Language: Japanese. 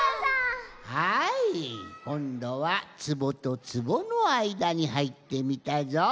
はいこんどはつぼとつぼのあいだにはいってみたぞ。